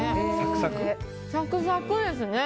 サクサクですね。